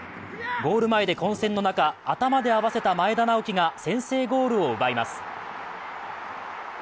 ゴール前で混戦の中頭で合わせた前田直輝が先制ゴールを奪います。